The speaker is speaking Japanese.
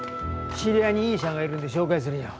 知り合いにいい医者がいるんで紹介するよ。